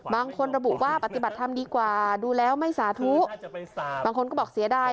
บางคนระบุว่าปฏิบัติธรรมดีกว่าดูแล้วไม่สาธุบางคนก็บอกเสียดาย